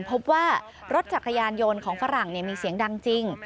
พบว่ารถจักรยานยนต์ของฝรั่งมีเสียงดังจริง